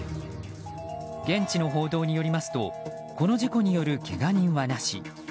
現地の報道によりますとこの事故によるけが人はなし。